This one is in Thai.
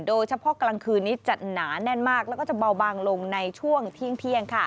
โดยเฉพาะกลางคืนนี้จะหนาแน่นมากแล้วก็จะเบาบางลงในช่วงเที่ยง